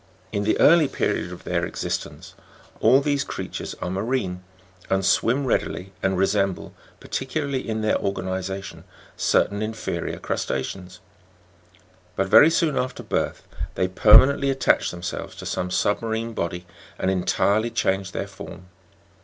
In the early period of their existence all these creatures are marine, and swim readily, and resem ble, particularly in their organization, certain inferior crus ta'ceans ; but very soon after birth, they permanently attach themselves to some submarine body, and entirely change their form.